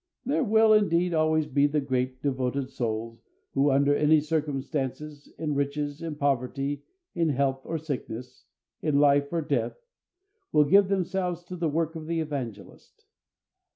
There will, indeed, always be the great, devoted souls who, under any circumstances, in riches, in poverty, in health or sickness, in life or death, will give themselves to the work of the evangelist.